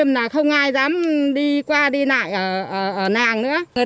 mà bắt được rồi